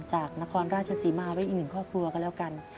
จากนครราชสีมาไว้อีก๑ครอบครัวกันแล้วกัน